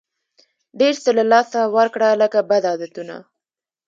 ډېر څه له لاسه ورکړه لکه بد عادتونه.